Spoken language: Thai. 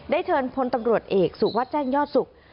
ได้เชิญพลตำรวจเอกสุวัตย์แจ้งยอดศุกร์